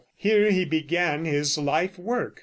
Here he began his life work.